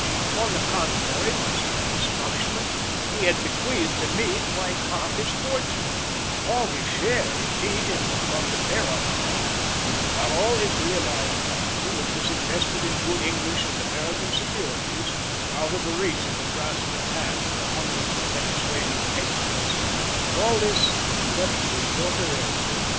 On the contrary, much to my astonishment, he had bequeathed to me quite half his fortune all his share, indeed, in the Gondifera mine while all his realised property, which was invested in good English and American securities, out of the reach of the grasping hand of the hungerful Venezuelan patriots all this he left to his daughter Elsie.